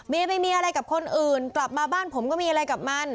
ไปมีอะไรกับคนอื่นกลับมาบ้านผมก็มีอะไรกับมัน